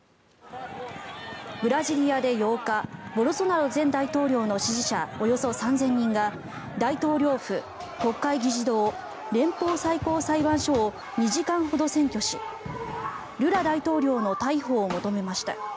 ブラジリアで８日ボルソナロ前大統領の支持者およそ３０００人が大統領府、国会議事堂連邦最高裁判所を２時間ほど占拠しルラ大統領の逮捕を求めました。